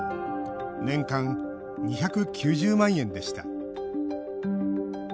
年間２９０万円でした。